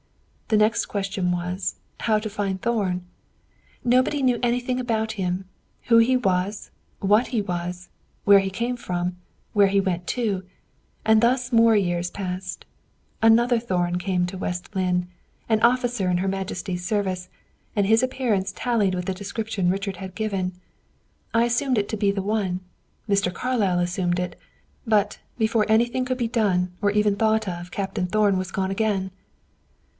The next question was, how to find Thorn. Nobody knew anything about him who he was, what he was, where he came from, where he went to; and thus more years passed on. Another Thorn came to West Lynne an officer in her majesty's service; and his appearance tallied with the description Richard had given. I assumed it to be the one; Mr. Carlyle assumed it; but, before anything could be done or even thought of Captain Thorn was gone again."